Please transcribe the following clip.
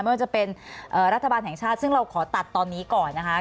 ไม่ว่าจะเป็นรัฐบาลแห่งชาติซึ่งเราขอตัดตอนนี้ก่อนนะคะ